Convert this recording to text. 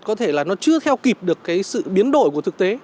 có thể là nó chưa theo kịp được cái sự biến đổi của thực tế